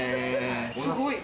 すごい。